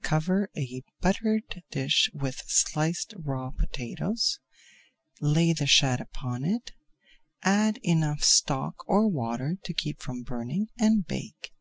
Cover a buttered baking dish with sliced raw potatoes, lay the shad upon it, add enough stock or water to keep from burning and bake.